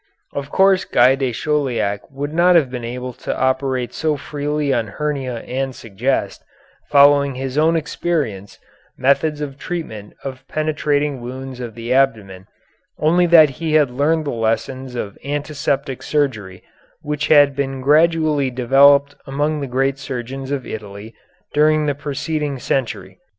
Of course Guy de Chauliac would not have been able to operate so freely on hernia and suggest, following his own experience, methods of treatment of penetrating wounds of the abdomen only that he had learned the lessons of antiseptic surgery which had been gradually developed among the great surgeons of Italy during the preceding century.